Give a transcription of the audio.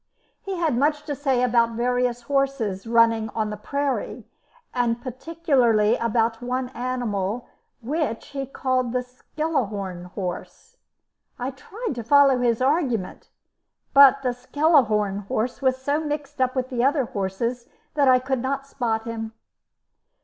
He had much to say about various horses running on the prairie, and particularly about one animal which he called the "Skemelhorne horse." I tried to follow his argument, but the "Skemelhorne horse" was so mixed up with the other horses that I could not spot him.